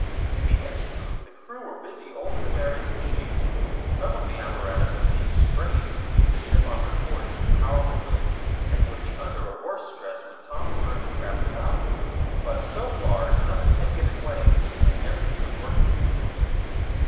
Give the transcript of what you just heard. In the engine room the crew were busy over the various machines. Some of the apparatus was being strained to keep the ship on her course in the powerful wind, and would be under a worse stress when Tom turned his craft about. But, so far, nothing had given way, and everything was working smoothly.